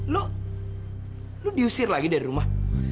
lo diusir lagi dari rumah